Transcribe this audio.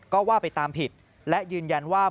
ก็ว่าไปตามผิดและยืนยันว่า